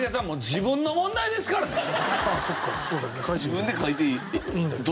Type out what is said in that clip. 自分で書いていいって。